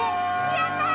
やったー！